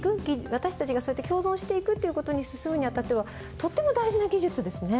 私たちがそうやって共存していくっていう事に進むに当たってはとっても大事な技術ですね。